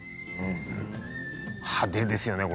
派手ですよね。